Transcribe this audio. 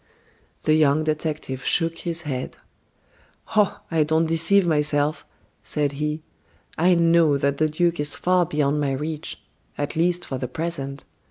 The young detective shook his head. "Oh! I don't deceive myself," said he. "I know that the duke is far beyond my reach at least for the present.